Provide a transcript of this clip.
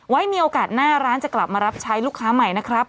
มีโอกาสหน้าร้านจะกลับมารับใช้ลูกค้าใหม่นะครับ